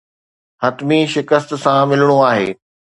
حتمي شڪست سان ملڻو آهي.